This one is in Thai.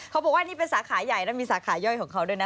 เขาบอกว่านี่เป็นสาขาใหญ่แล้วมีสาขาย่อยของเขาด้วยนะ